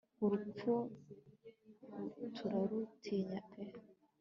urupfu turarutinya pe